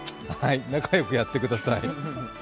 仲良くやってください。